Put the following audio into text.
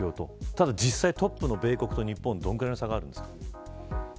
ただ実際トップのアメリカと日本はどれぐらいの差がありますか。